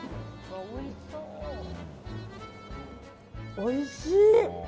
おいしい！